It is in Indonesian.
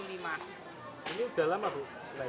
ini udah lama bu